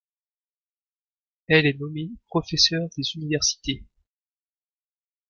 Elle est nommée professeur des universités.